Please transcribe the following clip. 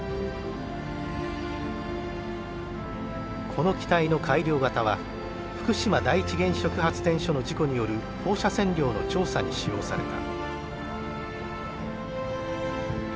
この機体の改良型は福島第一原子力発電所の事故による放射線量の調査に使用された。